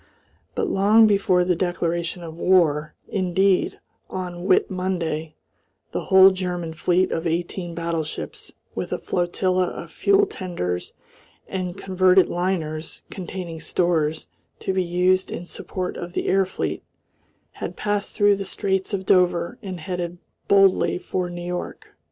But long before the declaration of war indeed, on Whit Monday the whole German fleet of eighteen battleships, with a flotilla of fuel tenders and converted liners containing stores to be used in support of the air fleet, had passed through the straits of Dover and headed boldly for New York.